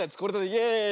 イエーイ！